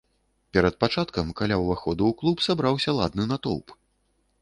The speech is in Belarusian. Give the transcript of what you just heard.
Перад пачаткам каля ўваходу ў клуб сабраўся ладны натоўп.